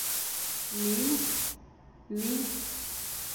Мин... мин...